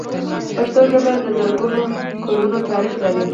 پښتو ژبه د زرګونو کلونو تاریخ لري.